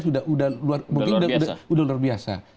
sudah luar biasa